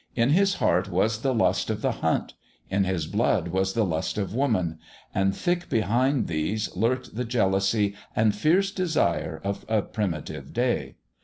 In his heart was the lust of the hunt; in his blood was the lust of woman; and thick behind these lurked the jealousy and fierce desire of a primitive day.